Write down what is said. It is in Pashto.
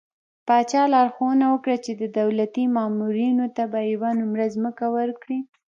پاچا لارښوونه وکړه چې د دولتي مامورينو ته به يوه نمره ځمکه ورکړي .